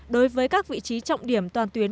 đối với các vị trí trọng điểm toàn tuyến